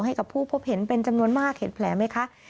ให้กับผู้พบเห็นเป็นจำนวนมากเห็นแผลไหมคะ